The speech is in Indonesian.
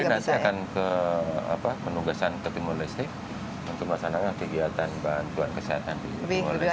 akhir bulan februari nanti akan penugasan ke timur leste untuk melaksanakan kegiatan bantuan kesehatan di timur leste